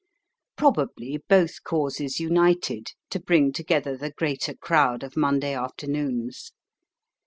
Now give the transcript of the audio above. Probably both causes united to bring together the greater crowd of Monday afternoons.